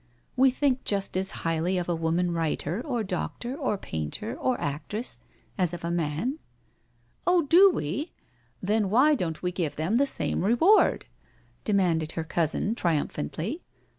We think just as highly of a woman writer or doctor or painter oc actress, as of a man." "Oh, do we I Then why don't we give them the BRACKENHILL HALL 27 same reward?" demanded her cousin triumphantly.